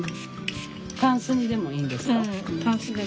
タンスにでもいいんですか？